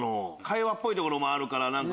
会話っぽいとこもあるから。